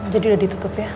jadi udah ditutup ya